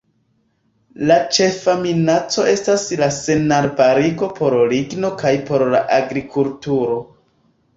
La ĉefa minaco estas la senarbarigo por ligno kaj por la agrikulturo.